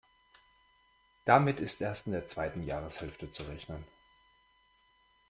Damit ist erst in der zweiten Jahreshälfte zu rechnen.